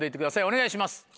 お願いします。